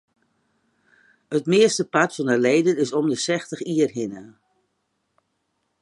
It meastepart fan de leden is om de sechstich jier hinne.